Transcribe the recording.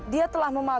dia telah memakai